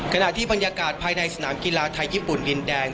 ขณะที่บรรยากาศภายในสนามกีฬาไทยญี่ปุ่นดินแดง